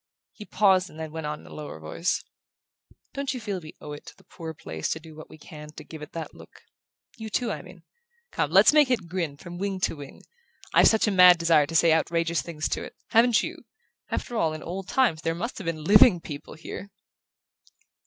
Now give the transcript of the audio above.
He paused, and then went on in a lower voice: "Don't you feel we owe it to the poor old place to do what we can to give it that look? You, too, I mean? Come, let's make it grin from wing to wing! I've such a mad desire to say outrageous things to it haven't you? After all, in old times there must have been living people here!"